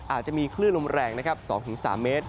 อาจจะมีคลื่นลมแรง๒๓เมตร